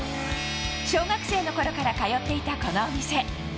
小学生のころから通っていたこのお店。